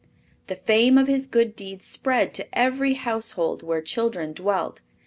The fame of his good deeds spread to every household where children dwelt.